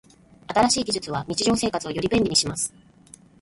新しい技術は日常生活をより便利にします。